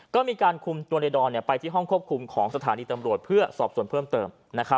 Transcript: ก็มีการคุมตัวในดอนไปที่ห้องควบคุมของสถานีตำรวจเพื่อสอบส่วนเพิ่มเติม